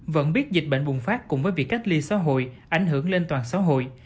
vẫn biết dịch bệnh bùng phát cùng với việc cách ly xã hội ảnh hưởng lên toàn xã hội